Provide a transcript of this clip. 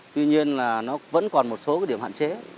tuy nhiên là nó vẫn còn một số cái điểm hạn chế